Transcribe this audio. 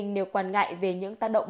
nếu quản ngại về những tác động bất động sản